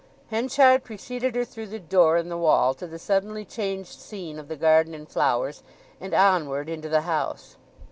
Henchard preceded her through the door in the wall to the suddenly changed scene of the garden and flowers, and onward into the house.